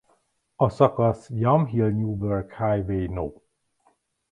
A szakasz Yamhill–Newberg Highway No.